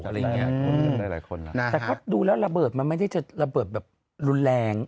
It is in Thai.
แต่เขาดูแล้วระเบิดมันไม่ได้แบบระเบิดแบบรุนแรง